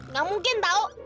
gak mungkin tau